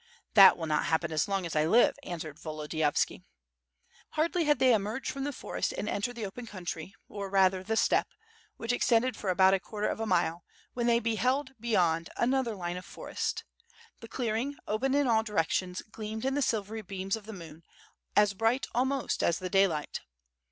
"That will not happen as long as I live," answered Volodi yovski. Hardly had they emerged from the fore8t,and entered the open country, or rather the steppe, which extended for about a quarter of a mile, when they beheld beyond another line of forest. The clearing, open in all directions, gleamed in the silvery beams of the moon, as bright almost as the daylight.